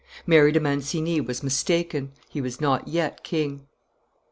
Mary de Mancini was mistaken; he was not yet King.